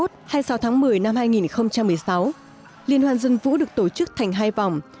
hai mươi sáu tháng một mươi năm hai nghìn một mươi sáu liên hoan dân vũ được tổ chức thành hai vòng